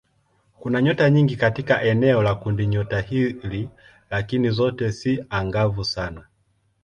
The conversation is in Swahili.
Kuna nyota nyingi katika eneo la kundinyota hili lakini zote si angavu sana.